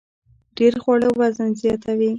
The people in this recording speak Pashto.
ډیر خواړه وزن زیاتوي